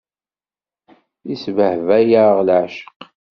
Isbehba-yaɣ leɛceq.